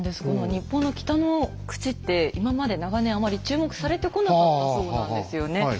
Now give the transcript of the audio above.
この日本の北の口って今まで長年あまり注目されてこなかったそうなんですよね。